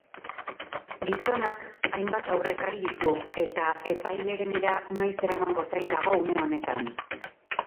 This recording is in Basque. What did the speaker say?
Gizonak hainbat aurrekari ditu, eta epailerenera noiz eramango zain dago une honetan.